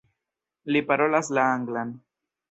Li parolas la anglan.